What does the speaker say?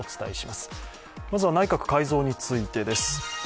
まずは内閣改造についてです。